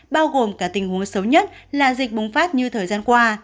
bao gồm cả tình huống xấu nhất là dịch bùng phát như thời gian qua